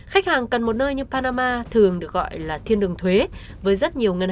khách hàng cần một nơi như panama thường được gọi là thiên đường thuế